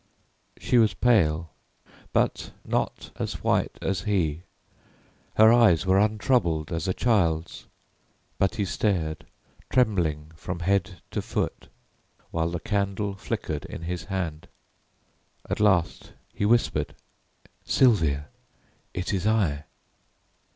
She was pale, but not as white as he; her eyes were untroubled as a child's; but he stared, trembling from head to foot, while the candle flickered in his hand. At last he whispered: "Sylvia, it is I."